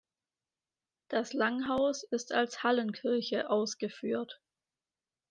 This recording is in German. Das Langhaus ist als Hallenkirche ausgeführt.